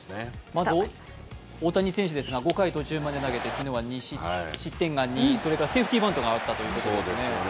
まず大谷選手ですが、５回途中まで投げて昨日は失点が２、それからセーフティーバントがあったということで。